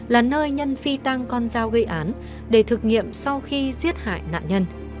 là nơi nhân phi tăng con dao gây án để thực nghiệm sau khi giết hại nạn nhân